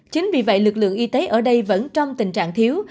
chính vì vậy lực lượng y tế ở đây vẫn trong tình trạng thiếu